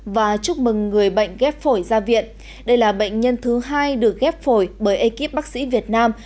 và chúc mừng người bệnh ghép phổi ra viện đây là bệnh nhân thứ hai được ghép phổi bởi ekip bác sĩ việt nam